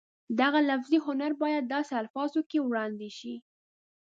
دغه لفظي هنر باید داسې الفاظو کې وړاندې شي